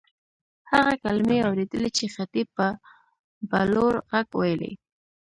هغه کلیمې اورېدلې چې خطیب به په لوړ غږ وېلې.